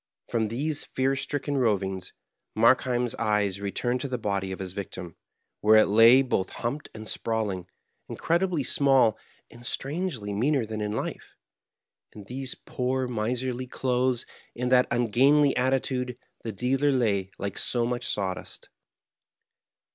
From these fear stricken rovings, Markheiln's eyes returned to the body of his victim, where it lay both humped and sprawling, incredibly small, and strangely meaner than in life. In these poor, miserly clothes, in that ungainly attitude, the dealer lay like so much saw dust.